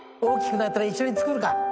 大きくなったら一緒に作るか。